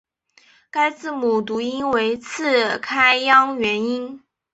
该字母读音为次开央元音。